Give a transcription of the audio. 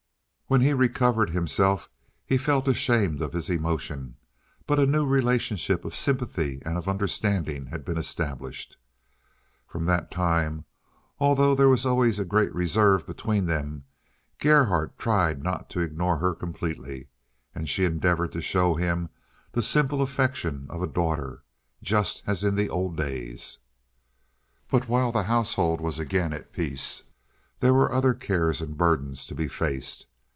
When he recovered himself he felt ashamed of his emotion, but a new relationship of sympathy and of understanding had been established. From that time, although there was always a great reserve between them, Gerhardt tried not to ignore her completely, and she endeavored to show him the simple affection of a daughter, just as in the old days. But while the household was again at peace, there were other cares and burdens to be faced.